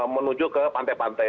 menuju ke pantai pantai